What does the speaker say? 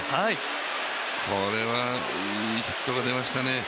これはいいヒットが出ましたね。